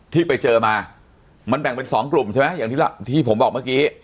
ที่ไปเจอมามันแบ่งเป็นสองกลุ่มใช่ไหมอย่างที่ผมบอกเมื่อกี้